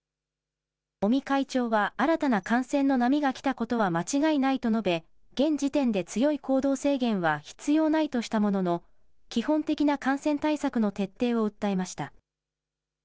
尾身会長は新たな感染の波がきたことは間違いないと述べ、現時点で強い行動制限は必要ないとしたものの、基本的な感染対策の徹底